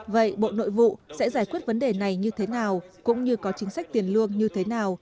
vậy bộ nội vụ sẽ giải quyết vấn đề này như thế nào cũng như có chính sách tiền lương như thế nào